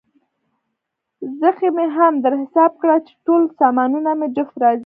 څغۍ مې هم در حساب کړه، چې ټول سامانونه مې جفت راځي.